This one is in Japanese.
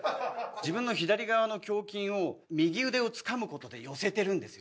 自分の左側の胸筋を右腕をつかむ事で寄せてるんですよね。